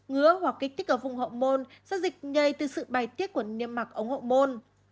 ngứa hoặc kích tích ở vùng hậu môn sẽ dịch nhây từ sự bài tiết của niêm mặc ống hậu môn